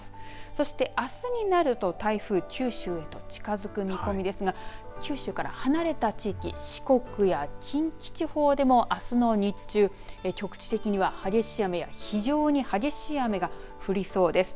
そしてあすになると台風、九州へと近づく見込みですが九州から離れた地域、四国や近畿地方、あすの日中、局地的には激しい雨、非常に激しい雨が降りそうです。